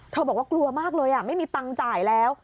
บอกว่ากลัวมากเลยไม่มีตังค์จ่ายแล้ว